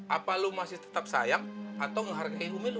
apa lo masih tetap sayang atau menghargai umi lo